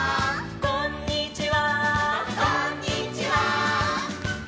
「こんにちは」